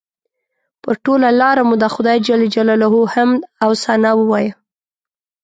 پر ټوله لاره مو د خدای جل جلاله حمد او ثنا ووایه.